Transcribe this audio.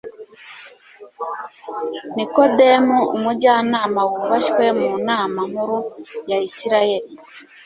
Nikodemu, umujyanama wubashywe mu Nama Nkuru ya Isiraeli,